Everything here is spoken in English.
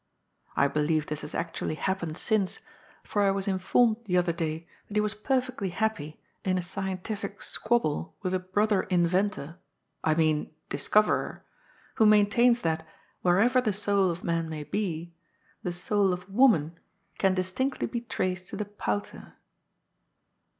I believe this has actually happened since, for I was informed the other day that he was perfectly happy in a scientific squab ble with a brother inventor — I mean discoverer — who main tains that, wherever the soul of man may be, the soul of woman can distinctly be traced to the pouter.